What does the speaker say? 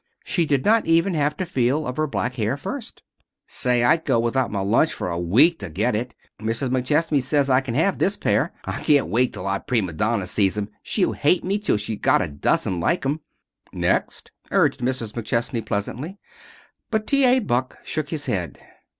She did not even have to feel of her back hair first. "Say, I'd go without my lunch for a week to get it. Mrs. McChesney says I can have this pair. I can't wait till our prima donna sees 'em. She'll hate me till she's got a dozen like 'em." "Next!" urged Mrs. McChesney, pleasantly. But T. A. Buck shook his head.